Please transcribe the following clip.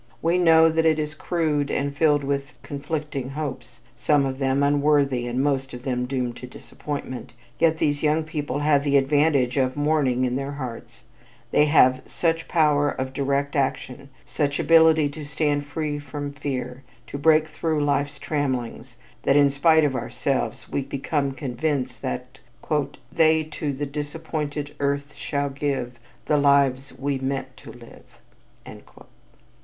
We know that it is crude and filled with conflicting hopes, some of them unworthy and most of them doomed to disappointment, yet these young people have the advantage of "morning in their hearts"; they have such power of direct action, such ability to stand free from fear, to break through life's trammelings, that in spite of ourselves we become convinced that "They to the disappointed earth shall give The lives we meant to live."